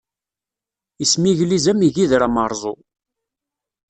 Ismigliz am igider ameṛẓu.